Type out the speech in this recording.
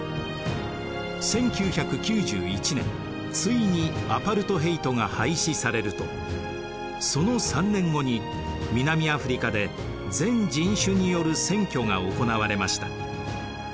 １９９１年ついにアパルトヘイトが廃止されるとその３年後に南アフリカで全人種による選挙が行われました。